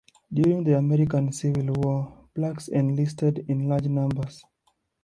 During the American Civil War, Blacks enlisted in large numbers.